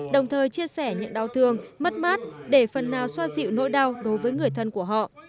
đồng thời chia sẻ những đau thương mất mát để phần nào xoa dịu nỗi đau đối với người thân của họ